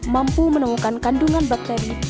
mampu menemukan kandungan bakteri